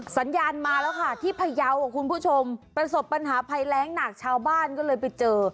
สัญญาณมาแล้วค่ะที่พยาวคุณผู้ชมประสบปัญหาภัยแรงหนักชาวบ้านก็เลยไปเจอ